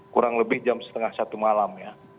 kurang lebih jam setengah satu malam ya